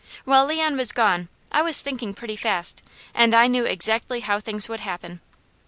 While Leon was gone I was thinking pretty fast and I knew exactly how things would happen.